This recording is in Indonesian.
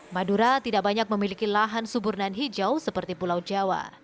madura tidak banyak memiliki lahan suburnan hijau seperti pulau jawa